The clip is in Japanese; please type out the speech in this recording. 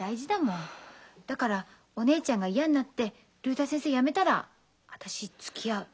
だからお姉ちゃんが嫌になって竜太先生やめたら私つきあう。